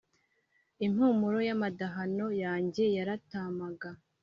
Impumuro y’amadahano yanjye yaratāmaga.